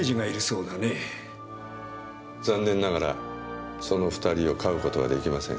残念ながらその２人を飼う事はできません。